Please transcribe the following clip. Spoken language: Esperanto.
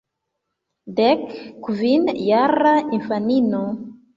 Dek kvin jara infanino!